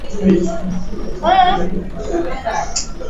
Epifania kuonekana kwake na kubatizwa kwake